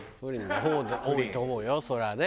多いと思うよそりゃあね。